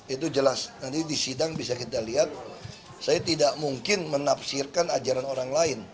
itu jelas nanti di sidang bisa kita lihat saya tidak mungkin menafsirkan ajaran orang lain